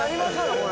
これ。